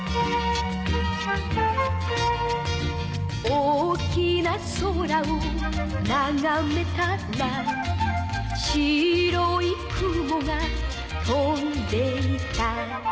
「大きな空をながめたら」「白い雲が飛んでいた」